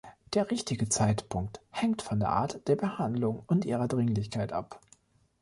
Der richtige Zeitpunkt hängt von der Art der Behandlung und ihrer Dringlichkeit ab.